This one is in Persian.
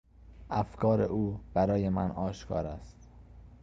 افکار او برای من آشکار است.